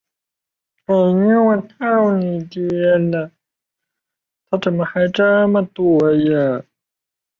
根据中冈和坂本龙马的协议于是在海援队之后再度创立一个与之相互支援的组织。